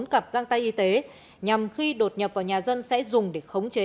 bốn cặp găng tay y tế nhằm khi đột nhập vào nhà dân sẽ dùng để khống chế